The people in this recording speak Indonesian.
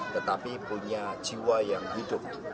tetapi punya jiwa yang hidup